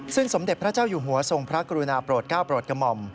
ซึ่งสมเด็จพระเจ้าอยู่หัวทรงพระกรุณาโปรดก้าวโปรดกระหม่อม